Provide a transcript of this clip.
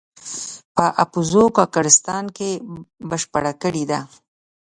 په اپوزو کاکړستان کې بشپړه کړې ده.